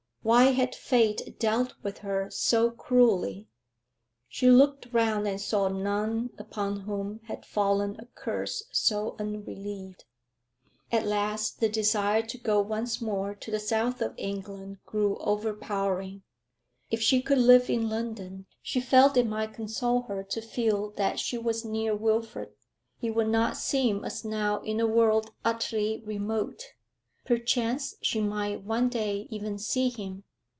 Why had fate dealt with her so cruelly? She looked round and saw none upon whom had fallen a curse so unrelieved. At last the desire to go once more to the south of England grew overpowering. If she could live in London, she felt it might console her to feel that she was near Wilfrid; he would not seem, as now, in a world utterly remote. Perchance she might one day even see him.